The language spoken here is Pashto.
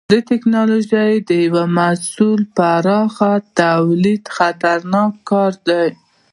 د ټېکنالوجۍ د یوه محصول پراخه تولید خطرناک کار دی.